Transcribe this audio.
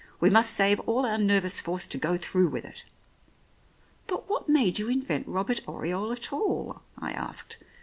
We must save all our nervous force to go through with it." " But what made you invent Robert Oriole at all?" I asked.